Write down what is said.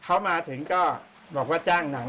เขามาถึงก็บอกว่าจ้างหนัง